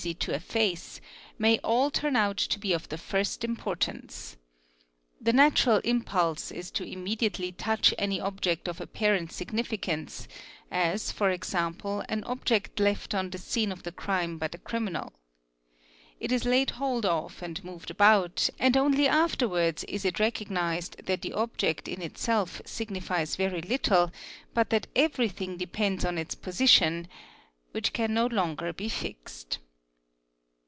to efface, may all turn out to be of the first importance. The nature impulse is to immediately touch any object of apparent significance, as e.g an object left on the scene of the crime by the criminal. It is laid ho of and moved about, and only afterwards is it recognised that the obje in itself signifies very little but that everything depends on its position= which can no longer be fixed.